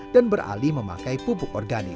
dan beralih memakai pupuk organik